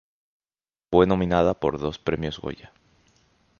Fue nominada por dos Premios Goya.